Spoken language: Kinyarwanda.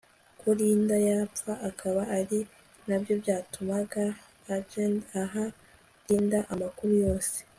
ko Linda yapfa akaba ari nabyo byatumaga agend aha Linda amakuru yose